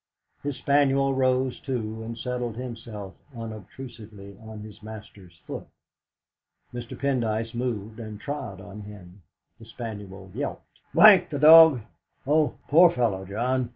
His spaniel rose too, and settled himself unobtrusively on his master's foot. Mr. Pendyce moved and trod on him. The spaniel yelped. "D n the dog! Oh, poor fellow, John!"